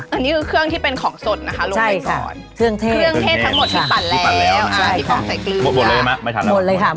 มันหน่อยค่ะเบอร์เหมาะมันหมดเลยไหมหมดเลยครับ